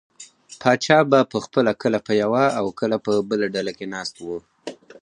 پاچا به پخپله کله په یوه او کله بله ډله کې ناست و.